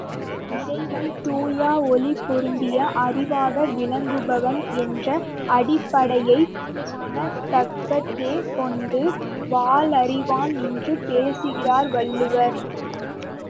இறைவன் தூய ஒளிபொருந்திய அறிவாக விளங்குபவன் என்ற அடிப்படையை மனத்தகத்தேகொண்டு வாலறிவன் என்று பேசுகின்றார் வள்ளுவர்.